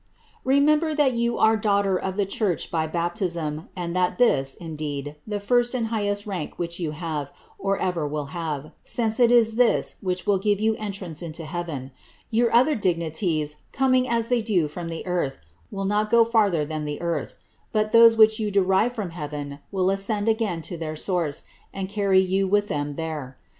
21 <* Remember tliat jou are daughter of the church by baptism, and that this is, indeed, the first and highest rank which you have, or ever will liave, since it is this which will give you entrance into heaven; your other dignities, coming as tkey do from the eartli, will not go further than the earth ; but those which you derive from heaven will ascend again to their source, and carry you with them irsere.